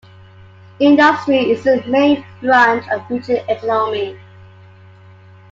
Industry is a main branch of region economy.